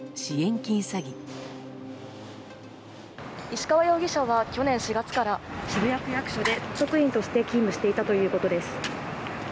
石川容疑者は去年４月から渋谷区役所で職員として勤務していたということです。